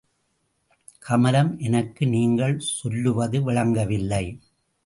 கமலம் எனக்கு நீங்கள் சொல்லுவது விளங்கவில்லை.